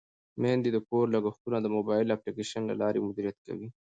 میندې د کور لګښتونه د موبایل اپلیکیشن له لارې مدیریت کوي.